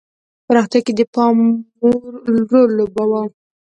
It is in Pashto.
پراختیا کې د پاموړ رول لوباوه.